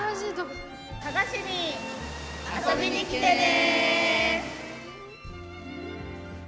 加賀市に遊びに来てね！